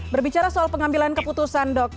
berbicara soal pengambilan keputusan dok